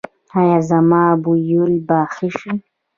ایا زما بویول به ښه شي؟